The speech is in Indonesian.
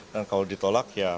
dan kalau ditolak yaudah